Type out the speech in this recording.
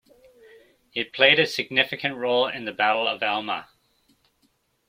It played a significant role in the Battle of Alma.